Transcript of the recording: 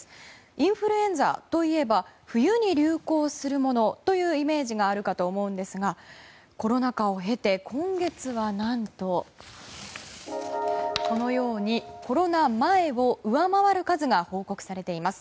インフルエンザといえば冬に流行するものというイメージがあるかと思うんですがコロナ禍を経て、今月は何とこのようにコロナ前を上回る数が報告されています。